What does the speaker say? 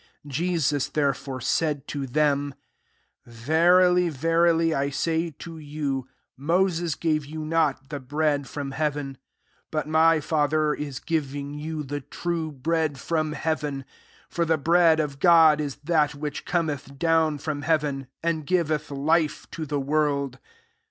" 32 Jesus [^iherefore^j said to them, Verily, verily, I say to you, Moses gave you not the bread from heaven ; but my Father is giving you the true Wead from heaven *; 33 for the bread of God is that which Cometh down from heaven, and giveth life to the world."